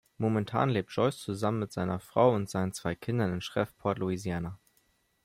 Momentan lebt Joyce zusammen mit seiner Frau und seinen zwei Kindern in Shreveport, Louisiana.